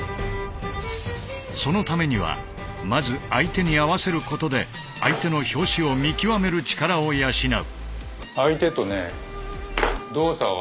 そのためにはまず相手に合わせることで相手の拍子を見極める力を養う。